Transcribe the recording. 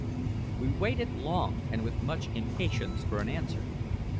We waited long and with much impatience for an answer.